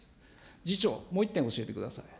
次長、もう一点教えてください。